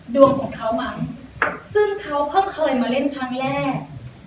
ดวงของเขามั้งซึ่งเขาเพิ่งเคยมาเล่นครั้งแรก